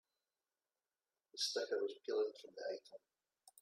The sticker was peeling from the item.